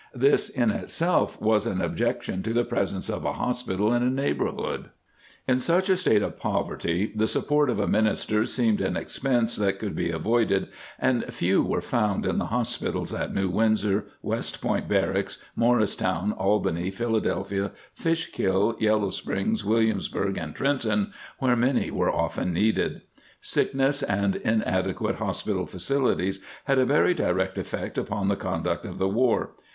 ^ This in itself was an objection to the presence of a hospital in a neighborhood. In such a state of poverty the support of a minister seemed an expense that could be avoid ed, and few were found in the hospitals at New Windsor, West Point barracks, Morristown, Albany, Philadelphia, Fishkill, Yellow Springs, Williamsburg and Trenton, where many were often needed.' Sickness and inadequate hospital facilities had a very direct effect upon the conduct of the war.